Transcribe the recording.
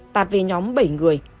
tạt về nhóm bảy người